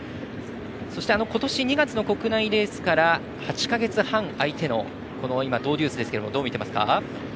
そして、今年２月の国内レースから８か月半空いてのドウデュースですがどう見ていますか？